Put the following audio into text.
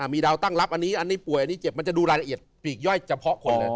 มีดาวตั้งรับอันนี้อันนี้ป่วยอันนี้เจ็บมันจะดูรายละเอียดปีกย่อยเฉพาะคนเลย